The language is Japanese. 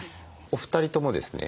お二人ともですね